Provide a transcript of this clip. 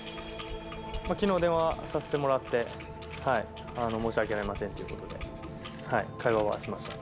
きのう電話させてもらって、申し訳ありませんということで、会話はしました。